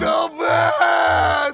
aku mau tobat